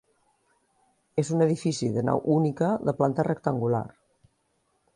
És un edifici de nau única, de planta rectangular.